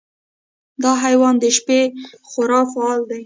دا حیوان د شپې خورا فعال دی.